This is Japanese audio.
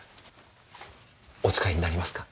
お使いになりますか？